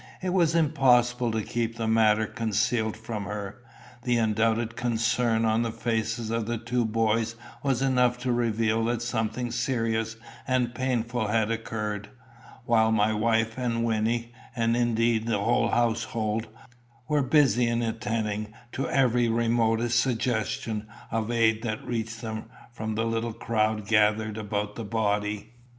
It was impossible to keep the matter concealed from her. The undoubted concern on the faces of the two boys was enough to reveal that something serious and painful had occurred; while my wife and Wynnie, and indeed the whole household, were busy in attending to every remotest suggestion of aid that reached them from the little crowd gathered about the body.